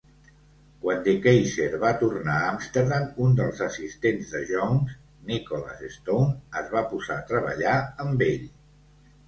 Quan De Keyser va tornar a Amsterdam, un dels assistents de Jones, Nicholas Stone, es va posar a treballar amb ell.